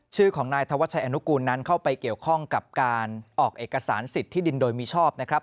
ชื่อของนายธวัชชัยอนุกูลนั้นเข้าไปเกี่ยวข้องกับการออกเอกสารสิทธิ์ที่ดินโดยมิชอบนะครับ